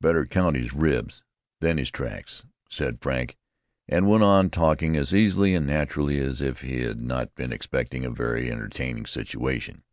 "Better count his ribs than his tracks," said Frank, and went on talking as easily and naturally as if he had not been expecting a very entertaining situation.